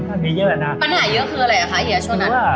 ปัญหาเยอะคืออะไรคะเหยียระชั่วนั้น